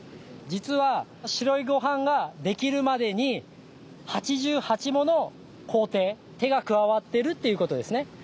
実は白いご飯ができるまでに８８もの工程手が加わってるっていう事ですね。